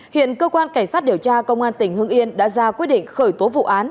hiện cơ quan cảnh sát điều tra công an tỉnh hưng yên đã ra quyết định khởi tố vụ án